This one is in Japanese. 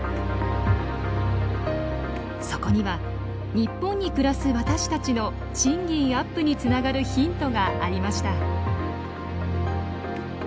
そこには日本に暮らす私たちの賃金アップにつながるヒントがありました。